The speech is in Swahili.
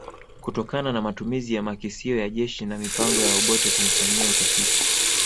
kutokana na matumizi ya makisio ya jeshi na mipango ya Obote kumfanyia utafiti